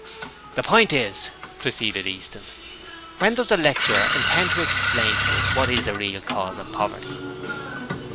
'The pint is,' proceeded Easton, 'when does the lecturer intend to explain to us what is the real cause of poverty.'